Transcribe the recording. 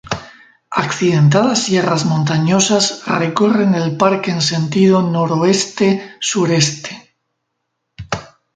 Accidentadas sierras montañosas recorren el parque en sentido noroeste-sur-este.